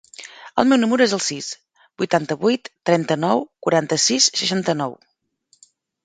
El meu número es el sis, vuitanta-vuit, trenta-nou, quaranta-sis, seixanta-nou.